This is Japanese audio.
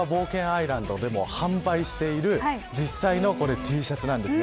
アイランドでも販売している実際のＴシャツなんです。